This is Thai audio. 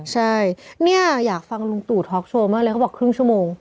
ใช่เนี่ยอยากฟังลุงตู่ท็อกโชว์มากเลยเขาบอกครึ่งชั่วโมง